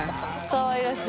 かわいらしい。